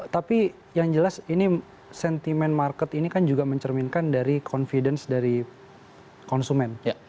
tapi yang jelas ini sentimen market ini kan juga mencerminkan dari confidence dari konsumen